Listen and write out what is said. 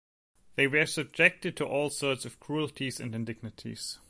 They were subjected to all sorts of cruelties and indignities.